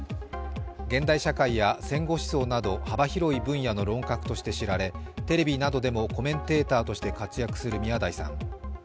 現代社会や戦後思想など幅広い分野の論客として知られ、テレビなどでもコメンテーターとして活躍する宮台さん。